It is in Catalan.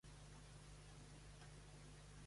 La dona en roba de colors brillants és ballar.